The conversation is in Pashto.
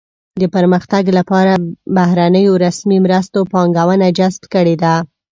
د پرمختګ لپاره بهرنیو رسمي مرستو پانګونه جذب کړې ده.